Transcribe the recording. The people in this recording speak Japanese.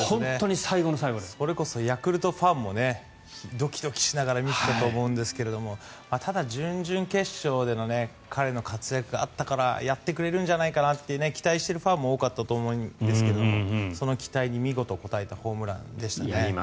それこそヤクルトファンもドキドキしながら見てたと思いますがただ、準々決勝での彼の活躍があったからやってくれるんじゃないかなって期待しているファンも多かったと思うんですがその期待に見事応えたホームランでしたね。